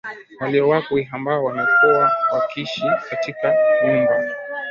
waliowakwi ambao wamekuwa wakiishi katika vyumba